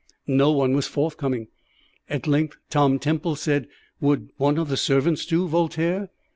No one was forthcoming. At length Tom Temple said "Would one of the servants do, Voltaire?"